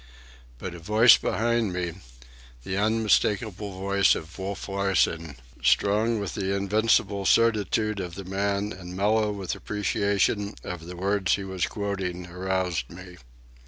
But a voice behind me, the unmistakable voice of Wolf Larsen, strong with the invincible certitude of the man and mellow with appreciation of the words he was quoting, aroused me.